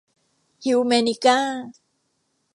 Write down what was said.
ฮิวแมนิก้า